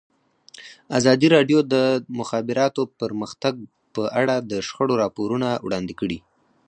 ازادي راډیو د د مخابراتو پرمختګ په اړه د شخړو راپورونه وړاندې کړي.